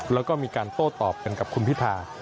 แล้วก็มีการโต้ตอบกันกับคุณพิธา